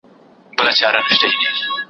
سره جمع وي په کور کي د خپلوانو